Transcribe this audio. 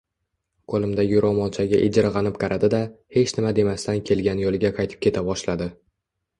Qoʻlimdagi roʻmolchaga ijirgʻanib qaradi-da, hech nima demasdan kelgan yoʻliga qaytib keta boshladi.